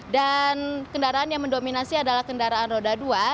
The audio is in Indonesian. dan kendaraan yang mendominasi adalah kendaraan roda dua